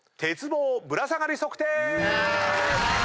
鉄棒ぶら下がり測定！